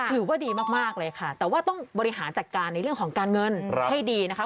ถือว่าดีมากเลยค่ะแต่ว่าต้องบริหารจัดการในเรื่องของการเงินให้ดีนะคะ